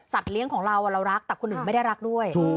เลี้ยงของเราเรารักแต่คนอื่นไม่ได้รักด้วย